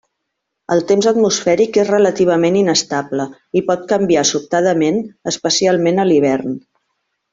El temps atmosfèric és relativament inestable, i pot canviar sobtadament especialment a l'hivern.